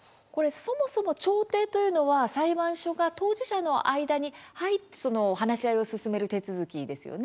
そもそも調停というのは裁判所が当事者の間に入って話し合いを進める手続きですよね。